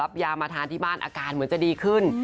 ยามาทานที่บ้านอาการเหมือนจะดีขึ้น